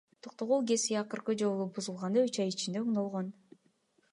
Токтогул ГЭСи акыркы жолу бузулганда үч ай ичинде оңдолгон.